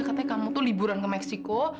katanya kamu tuh liburan ke meksiko